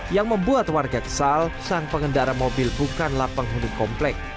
yang membuat warga kesal sang pengendara mobil bukanlah penghuni komplek